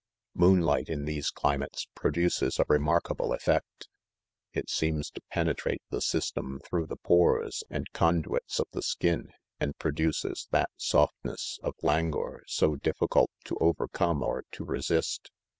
Moonlight in these climates, produces a re markable effect ; it seems to penetrate the sys tem through _ the pores and conduits of the skin, and produces that softness of languor 60 difficult to overcome or to resist.